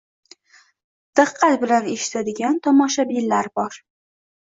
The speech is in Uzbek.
Вiqqat bilan eshitadigan tomoshabinlar bor.